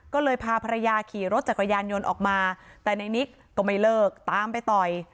ก็เลยพาภรรยาขี่รถจักรยานยนต์ออกมาแต่ในนิกก็ไม่เลิกตามไปต่อย